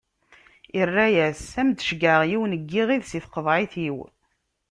Irra-as: Ad m-d-ceggɛeɣ yiwen n yiɣid si tqeḍɛit-iw.